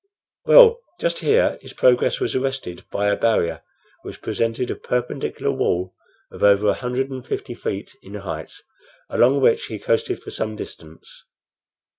Well, just here his progress was arrested by a barrier which presented a perpendicular wall of over a hundred and fifty feet in height, along which he coasted for some distance.